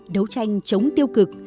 đấu tranh chống tiêu cực